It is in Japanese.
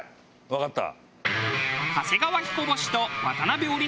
わかった。